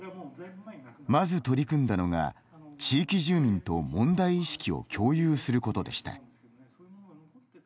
まず取り組んだのが地域住民と問題意識を共有することでした。